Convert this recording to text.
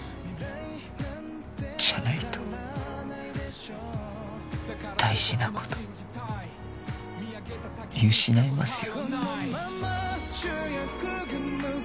じゃないと大事な事見失いますよ。